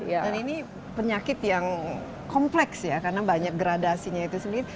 dan ini penyakit yang kompleks ya karena banyak gradasinya itu sendiri